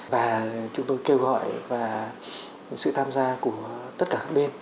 và chúng tôi kêu gọi và sự tham gia của tất cả các bên